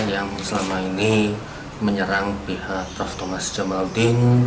yang selama ini menyerang pihak prof thomas jamaludin